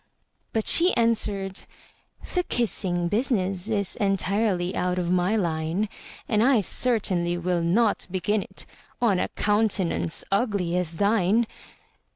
But she answered, "The kissing business Is entirely out of my line; And I certainly will not begin it On a countenance ugly as thine!"